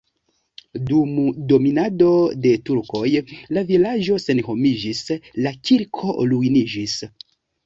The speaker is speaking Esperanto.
Dum dominado de turkoj la vilaĝo senhomiĝis, la kirko ruiniĝis.